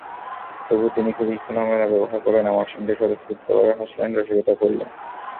তবু তিনি খুবই খোলামেলা ব্যবহার করলেন আমার সঙ্গে—স্বতঃস্ফূর্তভাবে হাসলেন, রসিকতা করলেন।